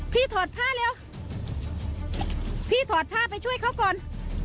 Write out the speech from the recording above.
ถอดผ้าเร็วพี่ถอดผ้าไปช่วยเขาก่อน